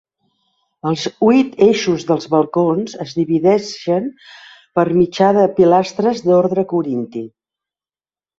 Els huit eixos de balcons es dividixen per mitjà de pilastres d'orde corinti.